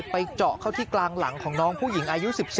เจาะเข้าที่กลางหลังของน้องผู้หญิงอายุ๑๔